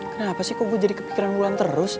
kenapa sih kok gue jadi kepikiran bulan terus